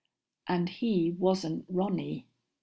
And he wasn't Ronny.